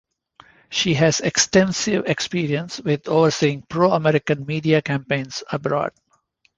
She has extensive experience with overseeing pro-American media campaigns abroad.